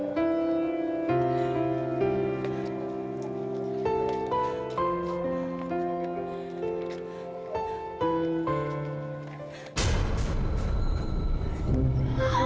lo kemana sih